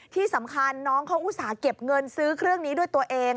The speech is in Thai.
ที่สำคัญน้องเขาอุตส่าห์เก็บเงินซื้อเครื่องนี้ด้วยตัวเอง